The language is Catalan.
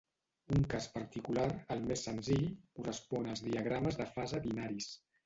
Un cas particular, el més senzill, correspon als diagrames de fase binaris.